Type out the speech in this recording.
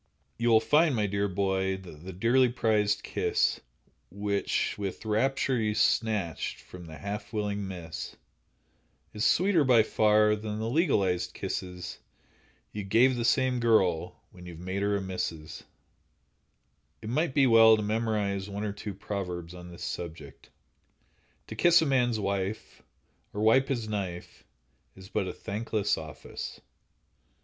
You will find, my dear boy, that the dearly prized kiss, Which with rapture you snatched from the half willing miss, Is sweeter by far than the legalized kisses You give the same girl when you've made her a Mrs. It might be well to memorize one or two proverbs on this subject: "To kiss a man's wife, or wipe his knife, is but a thankless office."